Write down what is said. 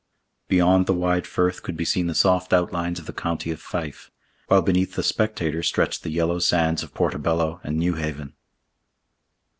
Beyond the wide Firth could be seen the soft outlines of the county of Fife, while beneath the spectator stretched the yellow sands of Portobello and Newhaven.